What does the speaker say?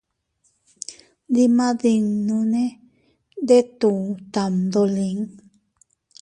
Ndigmadinnu ndetuu tamdolin.